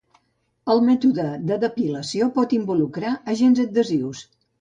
El mètode de depilació pot involucrar agents adhesius.